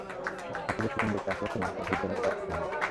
শাকিবের shooting দেখতে আশপাশের মানুষের ভিড় জমে গেল অল্প সময়ের মধ্যেই।